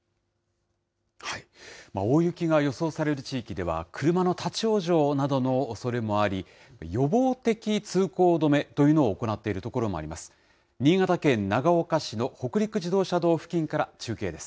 大雪が予想される地域では、車の立往生などのおそれもあり、予防的通行止めというのを行っている所もあります。